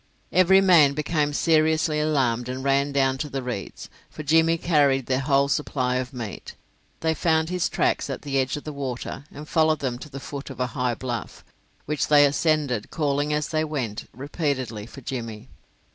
Every man became seriously alarmed and ran down to the reeds, for Jimmy carried their whole supply of meat. They found his tracks at the edge of the water, and followed them to the foot of a high bluff, which they ascended, calling as they went repeatedly for Jimmy.